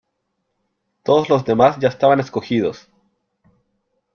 Todos los demás ya estaban escogidos .